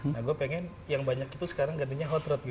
nah gue pengen yang banyak itu sekarang gantinya hot root